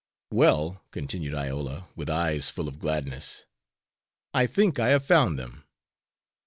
"Well," continued Iola, with eyes full of gladness, "I think I have found them."